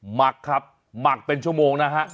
หมักครับหมักเป็นชั่วโมงนะฮะ